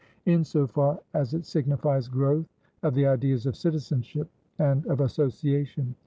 "In so far as it signifies growth of the ideas of citizenship, and of association.